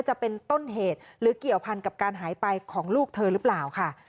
จะเป็นต้นเหตุหรือเกี่ยวพันกับการหายไปของลูกเธอหรือเปล่าค่ะ